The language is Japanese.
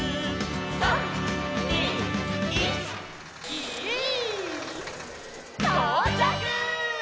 「３、２、１、ギィー」とうちゃく！